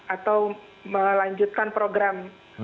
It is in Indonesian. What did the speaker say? atau melanjutkan program